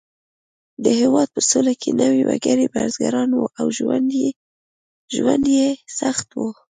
د هېواد په سلو کې نوي وګړي بزګران وو او ژوند یې سخت و.